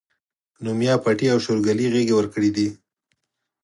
نو ميا پټي او شورګلې غېږې ورکړي دي